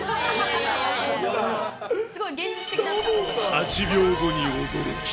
８秒後に驚き。